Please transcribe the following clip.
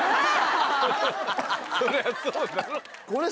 そりゃそうだろ。